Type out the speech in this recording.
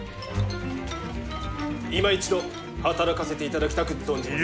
いま一度働かせていただきたく存じまする！